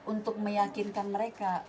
untuk meyakinkan mereka